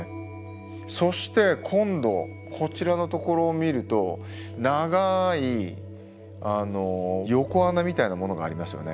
そして今度こちらのところを見ると長い横穴みたいなものがありますよね。